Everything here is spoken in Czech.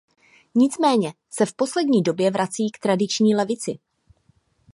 Nicméně se v poslední době vrací k tradiční levici.